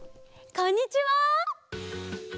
こんにちは。